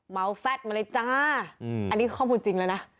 แฟดมาเลยจ้าอันนี้ข้อมูลจริงแล้วนะ